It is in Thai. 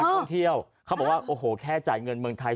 ท่องเที่ยวเขาบอกว่าโอ้โหแค่จ่ายเงินเมืองไทย